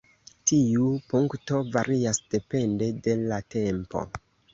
Tiu punkto varias depende de la tempo.